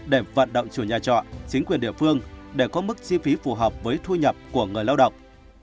để vận động chủ nhà trọ chính quyền địa phương để có mức chi phí phù hợp với thu nhập của người lao động